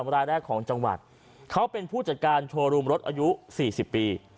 รายแรกของจังหวัดเขาเป็นผู้จัดการโชว์รูมรถอายุ๔๐ปี